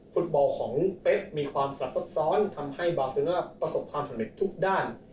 ฟุตบอลของเป๊กมีความสลับซับซ้อนทำให้บาเซน่าประสบความสำเร็จทุกด้าน